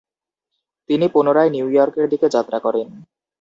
তিনি পুনরায় নিউ ইয়র্কের দিকে যাত্রা করেন।